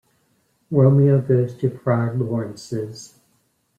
Romeo goes to Friar Lawrence's.